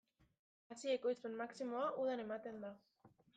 Hazi ekoizpen maximoa udan ematen da.